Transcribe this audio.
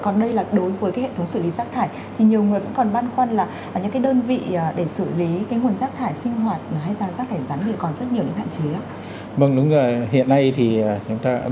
còn đây là đối với cái hệ thống xử lý rác thải thì nhiều người vẫn còn băn khoăn là những cái đơn vị để xử lý cái nguồn rác thải sinh hoạt hay dạng rác thải rắn thì còn rất nhiều những hạn chế ạ